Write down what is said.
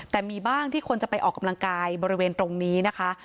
แต่มีบ้างที่คนจะไปออกกำลังกายบริเวณตรงนี้นะคะ